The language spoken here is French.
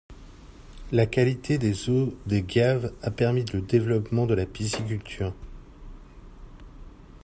La qualité des eaux des gaves a permis le développement de la pisciculture.